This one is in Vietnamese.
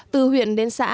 từ huyện đến xã đã thành lập